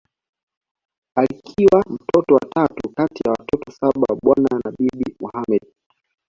Alikiwa mtoto wa tatu kati ya watoto saba wa Bwana na Bibi Mohamed